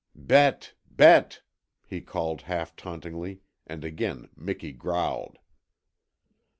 "BETE, BETE," he called half tauntingly, and again Miki growled.